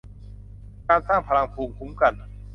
การสร้างพลังภูมิคุ้มกัน